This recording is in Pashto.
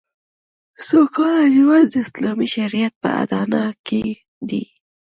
سوکاله ژوند د اسلامي شریعت په اډانه کې دی